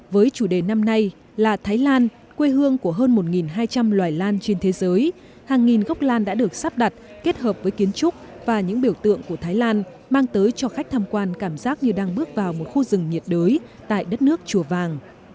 với chủ đề năm nay là thái lan quê hương của hơn một hai trăm linh loài lan trên thế giới hàng nghìn gốc lan đã được sắp đặt kết hợp với kiến trúc và những biểu tượng của thái lan mang tới cho khách tham quan cảm giác như đang bước vào một khu rừng nhiệt đới tại đất nước chùa vàng